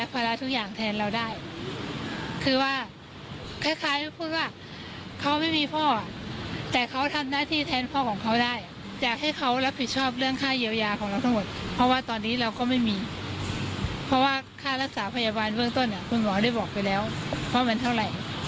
ภาพบริษัทวิทยาบาลเบื้องต้นเนี่ยคุณหมอได้บอกไปแล้วว่ามันเท่าไหร่